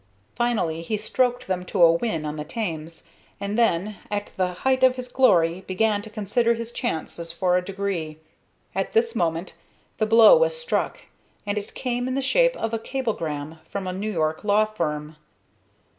Finally, he stroked them to a win on the Thames, and then, at the height of his glory, began to consider his chances for a degree. At this moment the blow was struck, and it came in the shape of a cablegram from a New York law firm.